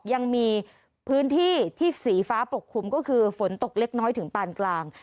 ยังมีพื้นที่ที่สีฟ้าปกคลุมก็คือฝนตกเล็กน้อยถึงปานกลาง